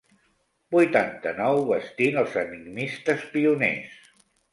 Vuitanta-nou bastint els enigmistes pioners.